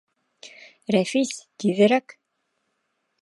— Рәфис, тиҙерәк!